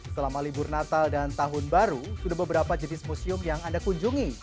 selama libur natal dan tahun baru sudah beberapa jenis museum yang anda kunjungi